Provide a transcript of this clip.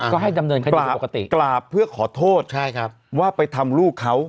ก็ให้ดำเนินคดีปกติกราบเพื่อขอโทษใช่ครับว่าไปทำลูกเขา